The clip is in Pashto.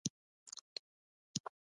آزاد تجارت مهم دی ځکه چې ماشینونه راوړي.